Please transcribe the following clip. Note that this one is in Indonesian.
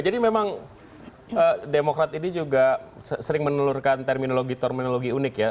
jadi memang demokrat ini juga sering menelurkan terminologi terminologi unik ya